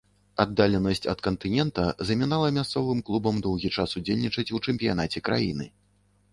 Аддаленасць ад кантынента замінала мясцовым клубам доўгі час удзельнічаць у чэмпіянаце краіны.